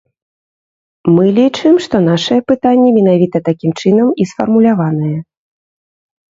Мы лічым, што нашае пытанне менавіта такім чынам і сфармуляванае.